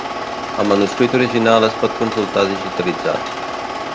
El manuscrit original es pot consultar digitalitzat.